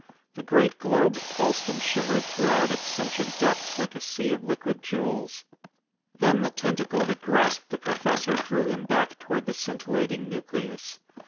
The great globe pulsed and shimmered throughout its sentient depths like a sea of liquid jewels. Then the tentacle that grasped the professor drew him back toward the scintillating nucleus.